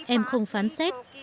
em không phán xét